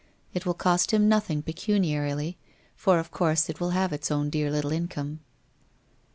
It will cost him nothing pecuniarily, for of course it will have its own dear little income.